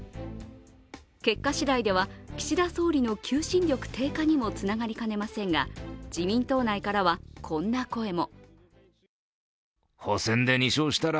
結果しだいでは、岸田総理の求心力低下にもつながりかねませんが自民党内からはこんな声も。